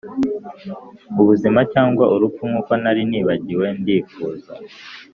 ubuzima cyangwa urupfu, nkuko nari nibagiwe. ndifuza